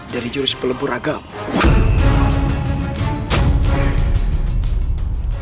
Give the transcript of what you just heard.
dari jurus pelebur agama